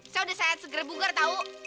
saya udah sehat segera bugar tau